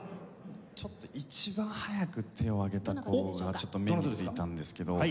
ちょっと一番早く手を挙げた子がちょっと目についたんですけど。